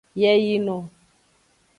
Yeyino.